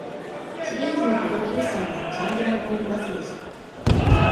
シリーズのプロデューサーはチャンドラモウリ・バスでした。